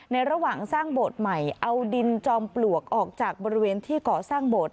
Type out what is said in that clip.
ระหว่างสร้างโบสถ์ใหม่เอาดินจอมปลวกออกจากบริเวณที่ก่อสร้างโบสถ